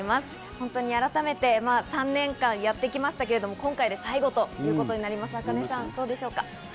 ホントに改めて３年間やって来ましたけれども今回で最後ということになりますａｋａｎｅさんどうでしょうか？